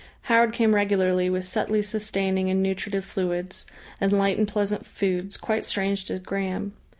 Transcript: Howard came regularly with subtly sustaining and nutritive fluids, and light and pleasant foods, quite strange to Graham.